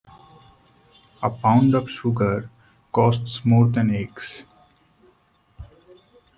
A pound of sugar costs more than eggs.